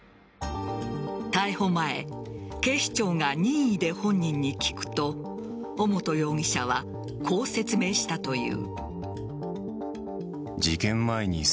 逮捕前警視庁が任意で本人に聞くと尾本容疑者はこう説明したという。